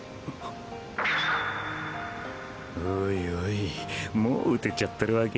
おいおいもう打てちゃってるわけ？